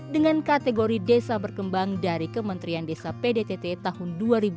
dengan kategori desa berkembang dari kementerian desa pdtt tahun dua ribu dua puluh